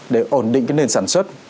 để ổn định cái nền sản xuất